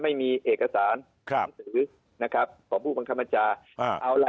ไม่มีเอกสารครับหนังสือนะครับของผู้บังคับบัญชาเอาล่ะ